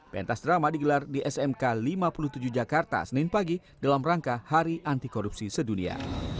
pentas drama digelar di smk lima puluh tujuh jakarta senin pagi dalam rangka hari anti korupsi sedunia